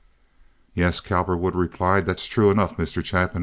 "Yes," Cowperwood replied, "that's true enough, Mr. Chapin."